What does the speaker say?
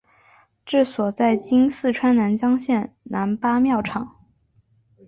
治所在今四川南江县南八庙场。